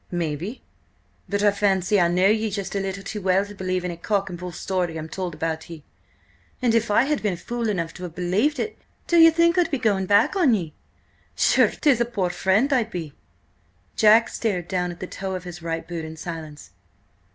"Maybe, but I fancy I know ye just a little too well to believe any cock and bull story I'm told about ye. And even if I had been fool enough to have believed it, do ye think I'd be going back on ye? Sure, 'tis a poor friend I'd be!" Jack stared down at the toe of his right boot in silence.